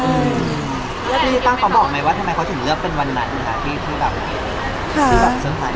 แล้วพี่ต้องขอบอกไหมว่าทำไมเขาถึงเลือกเป็นวันหนังค่ะที่ที่แบบค่ะ